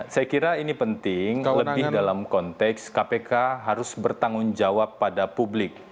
saya kira ini penting lebih dalam konteks kpk harus bertanggung jawab pada publik